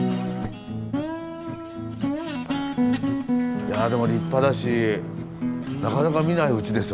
いやでも立派だしなかなか見ないうちですよね。